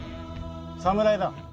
侍だ。